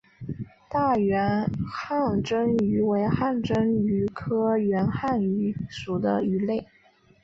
大圆颌针鱼为颌针鱼科圆颌针鱼属的鱼类。